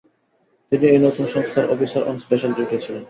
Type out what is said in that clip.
তিনি এই নতুন সংস্থার 'অফিসার অন স্পেশাল ডিউটি' ছিলেন।